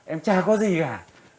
em chả có gì cả